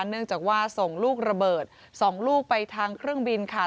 เนื่องจากว่าส่งลูกระเบิด๒ลูกไปทางเครื่องบินค่ะ